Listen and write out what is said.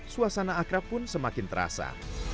suasana akrab pun semakin terasa